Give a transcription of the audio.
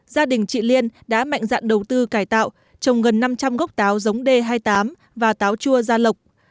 gia đình chị liên đã mạnh dạn đầu tư cải tạo trồng gần năm trăm linh gốc táo giống d hai mươi tám và táo chua gia lộc